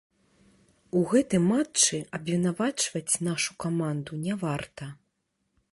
У гэтым матчы абвінавачваць нашу каманду не варта.